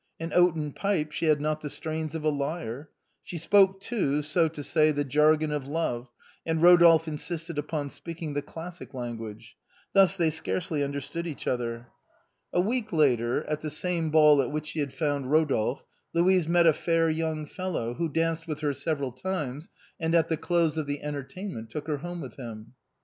An oaten pipe, she had not the strains of a lyre. She spoke, so to say, the jargon of love, and Eodolphe insisted upon speaking the classic language. Thus they scarcely understood one an other. A week later, at the same ball at which she had found Eodolphe, Louise met a fair young fellow, who danced with her several times, and at the close of the entertainment took her home with him.